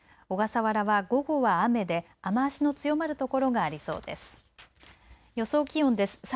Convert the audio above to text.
小笠原は午後は雨で雨足の強まる所がありそうです。